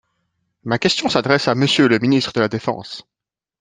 Ma question s’adresse à Monsieur le ministre de la défense.